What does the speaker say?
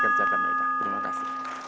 mengekerjakan maeda terima kasih